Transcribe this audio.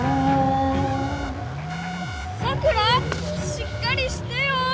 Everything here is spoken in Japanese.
しっかりしてよ！